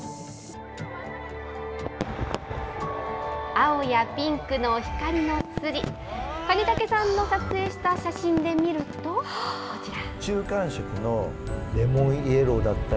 青やピンクの光の筋、金武さんの撮影した写真で見ると、こちら。